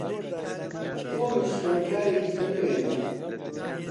تۆمیش خوێندکارێکی نوێیە.